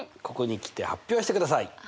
ここに来て発表してください。